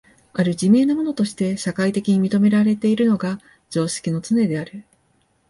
或る自明なものとして社会的に認められているのが常識のつねである。